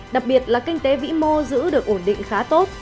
đặc biệt là kinh tế vĩ mô giữ được ổn định khá tốt